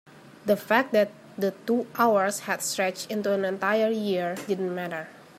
the fact that the two hours had stretched into an entire year didn't matter.